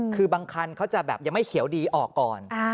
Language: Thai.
คือบางคันเขาจะแบบยังไม่เขียวดีออกก่อน